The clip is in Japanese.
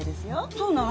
そうなの？